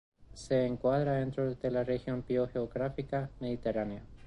Se encuadra dentro de la región biogeográfica mediterránea.